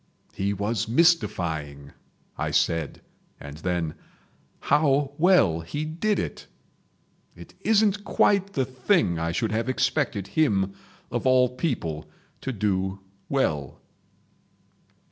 "He was mystifying!" I said, and then: "How well he did it!. .... It isn't quite the thing I should have expected him, of all people, to do well."